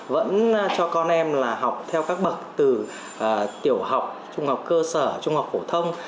vẫn cho con em là học theo các bậc từ tiểu học trung học cơ sở trung học phổ thông